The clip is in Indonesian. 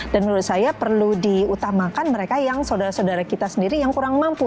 menurut saya perlu diutamakan mereka yang saudara saudara kita sendiri yang kurang mampu